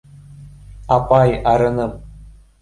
— Апай, арыным!